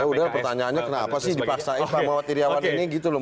ya udah pertanyaannya kenapa sih dipaksain pak mawat iryawan ini gitu loh